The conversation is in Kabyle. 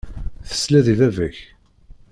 Tesliḍ i baba-k.